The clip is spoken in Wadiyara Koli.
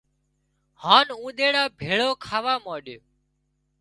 هانَ اونۮيڙا ڀيڙو کاوا مانڏيو